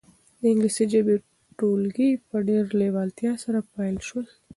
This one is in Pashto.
د انګلیسي ژبې ټولګي په ډېرې لېوالتیا سره پیل شول.